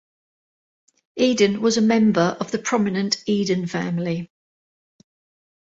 Eden was a member of the prominent Eden family.